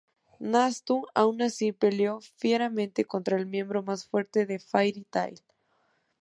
Natsu, aun así, peleó fieramente contra el miembro más fuerte de Fairy Tail.